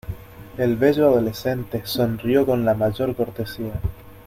el bello adolescente sonrió con la mayor cortesía: